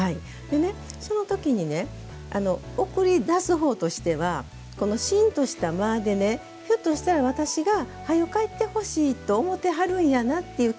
そのときに送り出すほうとしてはしーんとした間でふとしたら私がはよ帰ってほしいと思ってはるんやなという